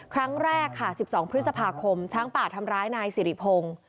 ครั้งแรกค่ะ๑๒พฤษภาคมช้างป่าทำร้ายนายสิริพงศ์